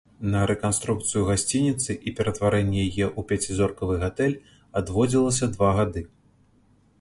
На рэканструкцыю гасцініцы і ператварэнне яе ў пяцізоркавы гатэль адводзілася два гады.